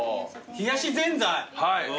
冷やしぜんざい？